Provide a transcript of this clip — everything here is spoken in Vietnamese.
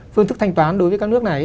phương thức thanh toán đối với các nước này